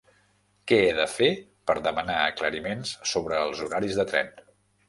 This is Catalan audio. Què he de fer per demanar aclariments sobre els horaris de tren?